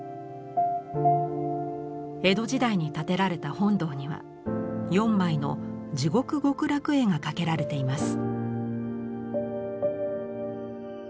江戸時代に建てられた本堂には４枚の「地獄極楽絵」が掛けられています。